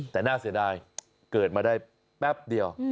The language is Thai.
แต่น่าเสียดายเกิดมาได้แป๊บเดียว